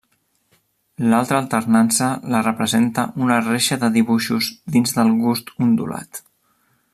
L'altra alternança la representa una reixa de dibuixos dins del gust ondulat.